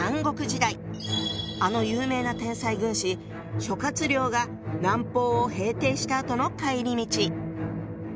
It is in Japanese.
あの有名な天才軍師諸亮が南方を平定したあとの帰り道。